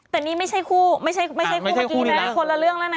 แต่นี่ไม่ใช่คู่ไม่ใช่คู่เมื่อกี้นะคนละเรื่องแล้วนะ